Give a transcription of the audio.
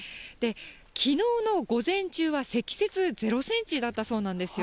きのうの午前中は積雪０センチだったそうなんですよ。